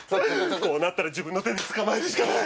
こうなったら自分の手で捕まえるしかない。